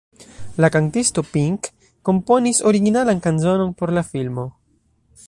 La kantisto Pink komponis originalan kanzonon por la filmo.